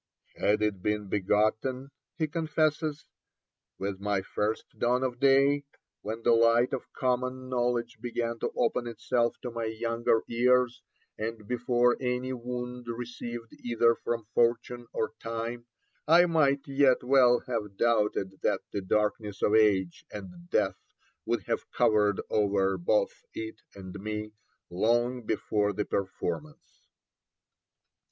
'Had it been begotten,' he confesses, 'with my first dawn of day, when the light of common knowledge began to open itself to my younger years, and before any wound received either from fortune or time, I might yet well have doubted that the darkness of age and death would have covered over both it and me, long before the performance.'